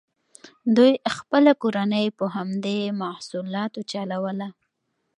دوی خپله کورنۍ په همدې محصولاتو چلوله.